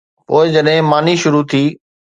پوءِ جڏهن ماني شروع ٿي.